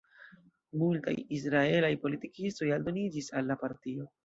Multaj israelaj politikistoj aldoniĝis al la partio.